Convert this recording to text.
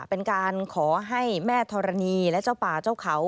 เป็นการขอให้แม่ธรณีและเจ้าป่าเจ้าเขา